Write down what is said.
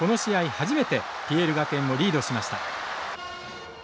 初めてＰＬ学園をリードしました。